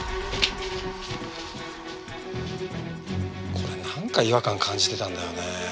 これなんか違和感感じてたんだよね。